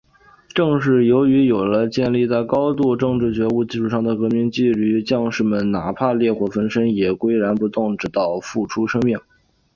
正是由于有了建立在高度政治觉悟基础上的革命纪律，将士们……哪怕烈火焚身，也岿然不动，直至付出生命。